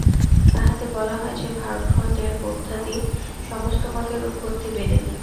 তাহাতে বলা হয় যে, ভারতখণ্ডের বৌদ্ধাদি সমস্ত মতের উৎপত্তি বেদে।